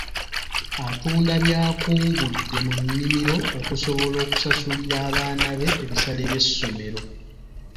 Atunda by'akungudde mu nnimiro okusobola okusasulira abaana be ebisale by'essomero.